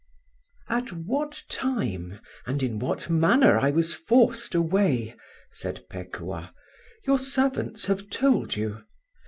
"AT what time and in what manner I was forced away," said Pekuah, "your servants have told you.